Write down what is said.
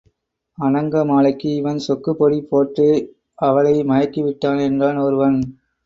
அநங்கமாலைக்கு இவன் சொக்குப் பொடி போட்டு அவளை மயக்கிவிட்டான் என்றான் ஒருவன்.